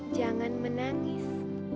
dewi jangan menangis